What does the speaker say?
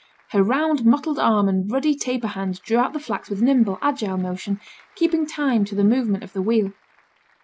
Her round mottled arm and ruddy taper hand drew out the flax with nimble, agile motion, keeping time to the movement of the wheel.